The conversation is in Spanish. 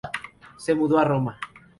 Se mudó a Roma.